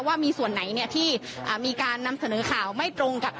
ว่ามีส่วนไหนที่มีการนำเสนอข่าวไม่ตรงกับ